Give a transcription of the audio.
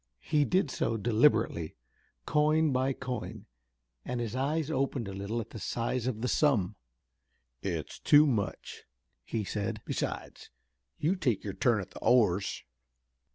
He did so deliberately, coin by coin, and his eyes opened a little at the size of the sum. "It's too much," he said. "Besides you take your turn at the oars."